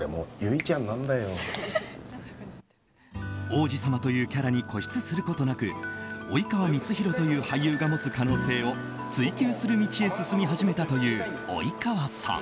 王子様というキャラに固執することなく及川光博という俳優が持つ可能性を追求する道へ進み始めたという及川さん。